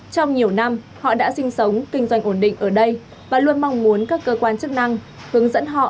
trong nhiều năm họ đã sinh sống kinh doanh ổn định ở đây và luôn mong muốn các cơ quan chức năng hướng dẫn họ